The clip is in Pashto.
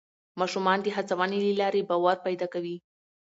ماشومان د هڅونې له لارې باور پیدا کوي